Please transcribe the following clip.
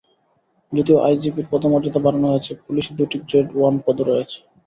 যদিও আইজিপির পদমর্যাদা বাড়ানো হয়েছে, পুলিশে দুটি গ্রেড ওয়ান পদও রয়েছে।